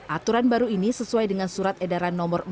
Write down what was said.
aturan baru ini sesuai dengan surat edaran nomor empat